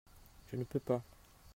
Je ne peux pas